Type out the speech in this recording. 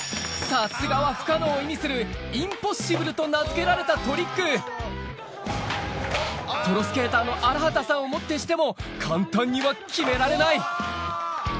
さすがは不可能を意味する「インポッシブル」と名付けられたトリックプロスケーターの荒畑さんをもってしても簡単には決められない